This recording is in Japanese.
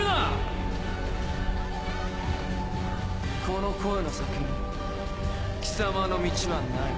この声の先に貴様の道はない。